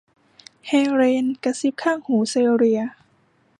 เฮเลนกระซิบข้างหูเซเลีย